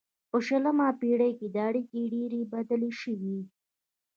په شلمه پیړۍ کې دا اړیکې ډیرې بدلې شوې